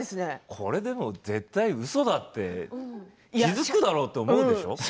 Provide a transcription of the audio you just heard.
これ、でも絶対にうそだって、気がつくだろうと思うでしょう。